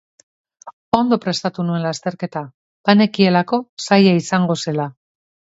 Ondo prestatu nuen lasterketa, banekielako zaila izango zela.